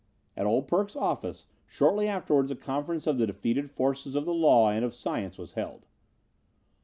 At "Old Perk's" office shortly afterward a conference of the defeated forces of the law and of science was held.